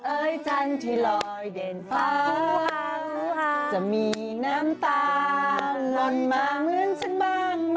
จันทร์ที่ลอยเด่นฟ้าจะมีน้ำตาลนมาเหมือนฉันบ้างไหม